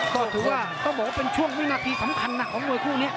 ก็ถือว่าต้องบอกว่าเป็นช่วงวินาทีสำคัญนะของมวยคู่นี้